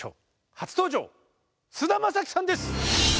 初登場菅田将暉さんです。